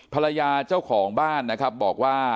ภรรยาเจ้าของบ้านบอกว่า